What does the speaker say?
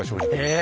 え